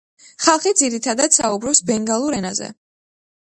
ხალხი ძირითადად საუბრობს ბენგალურ ენაზე.